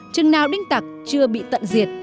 chừng nào đinh tặc chưa bị tận diệt